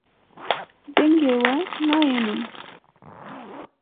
Dengê we nayê min.